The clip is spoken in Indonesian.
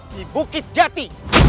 di bukit jati